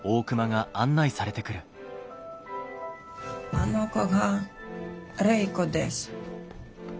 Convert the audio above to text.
あの子が礼子です。